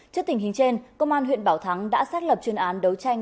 trước tình hình trên công an huyện bảo thắng đã xác lập chuyên án đấu tranh